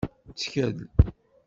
Ttkel!